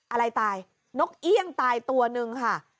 อะไรตายนกเอี่ยงตายตัวนึงค่ะ